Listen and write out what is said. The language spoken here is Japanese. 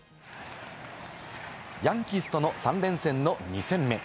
ヤンキースとの３連戦の２戦目。